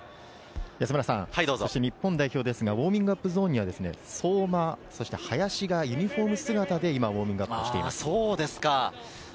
日本代表ですが、ウオーミングアップゾーンには、相馬、林がユニホーム姿でウオーミングアップしています。